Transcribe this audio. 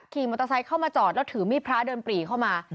ขี่มอเตอร์ไซค์เข้ามาจอดแล้วถือมีดพระเดินปรีเข้ามา